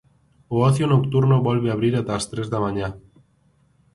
O ocio nocturno volve abrir ata as tres da mañá.